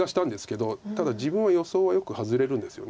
ただ自分は予想はよく外れるんですよね。